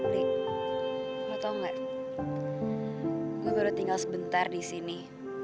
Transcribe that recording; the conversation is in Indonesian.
lik lo tau gak gue baru tinggal sebentar disini